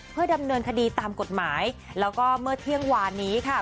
เพื่อดำเนินคดีตามกฎหมายแล้วก็เมื่อเที่ยงวานนี้ค่ะ